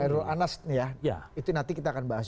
hairul anas ya itu nanti kita akan bahas